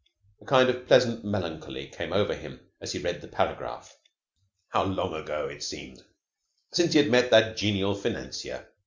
A kind of pleasant melancholy came over him as he read the paragraph. How long ago it seemed since he had met that genial financier.